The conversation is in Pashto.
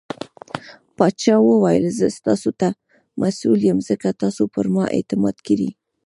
پاچا وويل :زه ستاسو ته مسوول يم ځکه تاسو پرما اعتماد کړٸ .